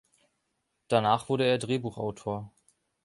Danach wurde er Drehbuchautor.